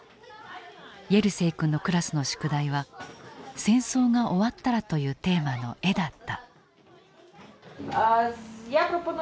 イェルセイ君のクラスの宿題は「戦争が終わったら」というテーマの絵だった。